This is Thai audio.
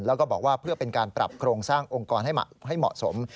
แล้วก็บอกว่าเพื่อเป็นการปรับโครงสร้างองค์กรให้เหมาะสม